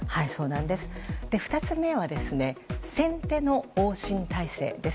２つ目は、先手の往診体制です。